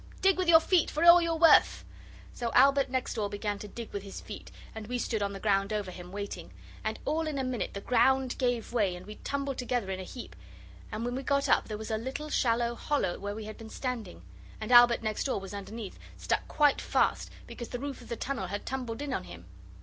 dig with your feet, for all you're worth!' So Albert next door began to dig with his feet, and we stood on the ground over him, waiting and all in a minute the ground gave way, and we tumbled together in a heap: and when we got up there was a little shallow hollow where we had been standing, and Albert next door was underneath, stuck quite fast, because the roof of the tunnel had tumbled in on him.